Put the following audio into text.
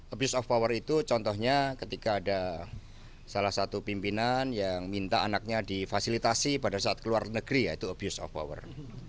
abuse of power itu contohnya ketika ada salah satu pimpinan yang minta anaknya difasilitasi pada saat keluar negeri yaitu abuse of power